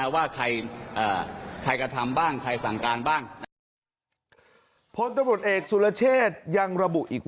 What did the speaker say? ว่าใคร